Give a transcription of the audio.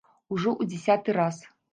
Ужо ў дзясяты раз.